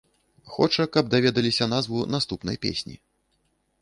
Хоча, каб даведаліся назву наступнай песні.